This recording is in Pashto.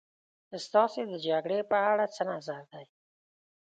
ستاسې د جګړې په اړه څه نظر دی.